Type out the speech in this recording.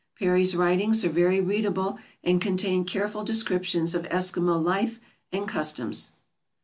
Parry's writings are very readable, and contain careful descriptions of Eskimo life and customs.